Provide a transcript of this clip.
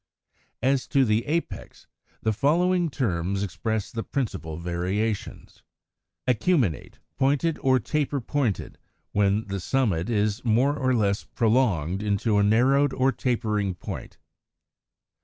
137. =As to the Apex=, the following terms express the principal variations: Acuminate, Pointed, or Taper pointed, when the summit is more or less prolonged into a narrowed or tapering point; as in Fig.